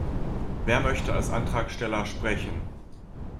Wer möchte als Antragsteller sprechen?